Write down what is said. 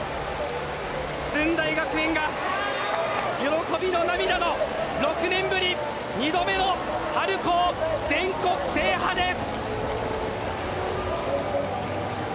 駿台学園が喜びの涙の６年ぶり２度目の春高全国制覇です！